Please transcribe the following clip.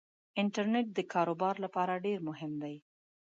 انټرنيټ دکار وبار لپاره ډیرمهم دی